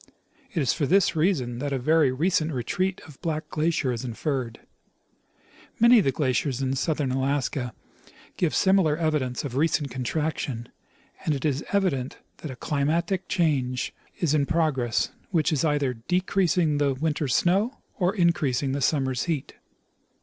It is for this reason that a very recent retreat of Black glacier is inferred. Many of the glaciers in southern Alaska give similar evidence of recent contraction, and it is evident that a climatic change is in progress which is either decreasing the winter's snow or increasing the summer's heat.